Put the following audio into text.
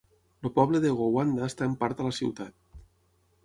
El poble de Gowanda està en part a la ciutat.